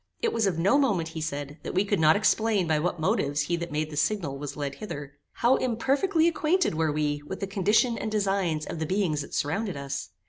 It was of no moment, he said, that we could not explain by what motives he that made the signal was led hither. How imperfectly acquainted were we with the condition and designs of the beings that surrounded us?